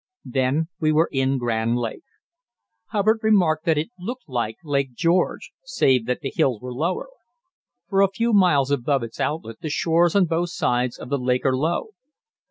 Then we were in Grand Lake. Hubbard remarked that it looked like Lake George, save that the hills were lower. For a few miles above its outlet the shores on both sides of the lake are low.